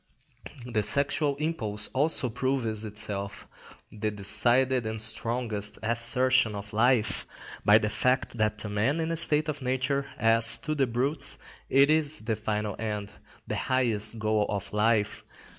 The sexual impulse also proves itself the decided and strongest assertion of life by the fact that to man in a state of nature, as to the brutes, it is the final end, the highest goal of life.